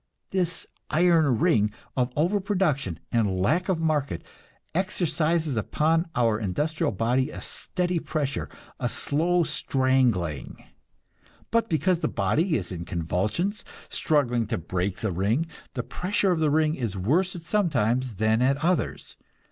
This "iron ring" of overproduction and lack of market exercises upon our industrial body a steady pressure, a slow strangling. But because the body is in convulsions, struggling to break the ring, the pressure of the ring is worse at some times than at others.